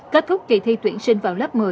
kết thúc kỳ thi tuyển sinh vào lớp một mươi